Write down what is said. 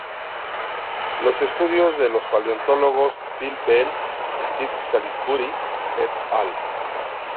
Los estudios de los paleontólogos Phil Bell, Steve Salisbury "et al".